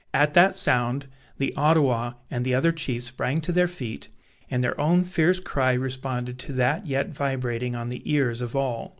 At that sound, the Ottawa and the other chiefs sprang to their feet, and their own fierce cry responded to that yet vibrating on the ears of all.